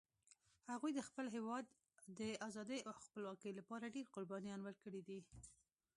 هغوی د خپل هیواد د آزادۍ او خپلواکۍ لپاره ډېري قربانيان ورکړي دي